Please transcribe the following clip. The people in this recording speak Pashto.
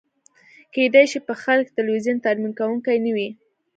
کیدای شي په ښار کې د تلویزیون ترمیم کونکی نه وي